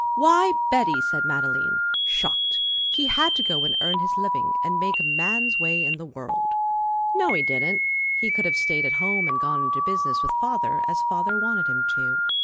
"Why, Betty!" said Madeleine, shocked. "He had to go and earn his living and make a man's way in the world." "No, he didn't. He could have stayed at home and gone into business with Father, as Father wanted him to.